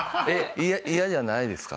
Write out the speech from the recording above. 嫌じゃないですか？